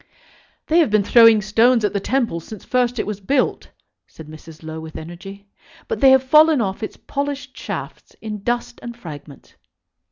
"They have been throwing stones at the Temple since first it was built," said Mrs. Low, with energy; "but they have fallen off its polished shafts in dust and fragments."